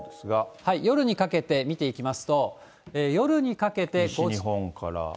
夜にかけて見ていきますと、夜にかけて。